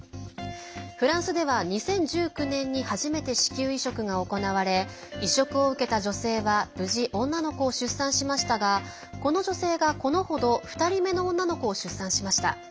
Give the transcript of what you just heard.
フランスでは２０１９年に初めて子宮移植が行われ移植を受けた女性は無事、女の子を出産しましたがこの女性が、この程２人目の女の子を出産しました。